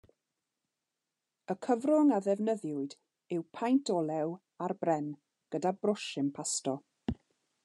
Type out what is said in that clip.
Y cyfrwng a ddefnyddiwyd yw paent olew ar bren, gyda brwsh impasto.